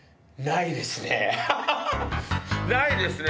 ないですね。